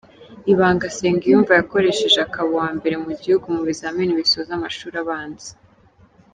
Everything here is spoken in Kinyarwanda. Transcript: Ibanga Nsengiyumva yakoresheje akaba uwa mbere mu gihugu mu bizamini bisoza amashuri abanza.